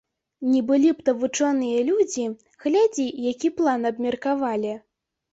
Не былі б то вучоныя людзі, глядзі, які план абмеркавалі.